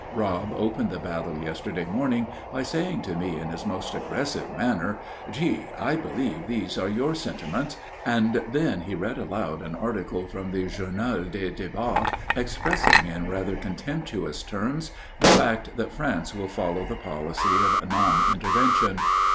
Rob opened the battle yesterday morning by saying to me in his most aggressive manner, "G., I believe these are your sentiments"; and then he read aloud an article from the "Journal des Debats" expressing in rather contemptuous terms the fact that France will follow the policy of non intervention.